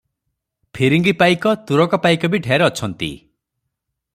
ଫିରିଙ୍ଗୀ ପାଇକ, ତୁରକ ପାଇକ ବି ଢେର ଅଛନ୍ତି ।